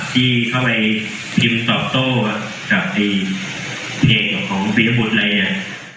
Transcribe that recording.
ที่เข้าไปพิมพ์ตอบโต้กับเพลงของภีรบุทธ์อะไรอย่างนี้